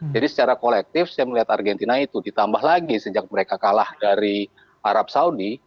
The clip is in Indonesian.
jadi secara kolektif saya melihat argentina itu ditambah lagi sejak mereka kalah dari arab saudi